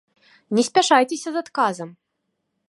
Не спяшайцеся з адказам.